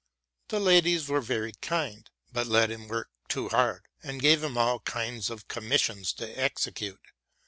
The ladies were very kind, but let him work too hard, and gave him all kinds of commissions to execute.